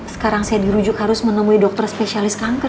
sekarang saya dirujuk harus menemui dokter spesialis kanker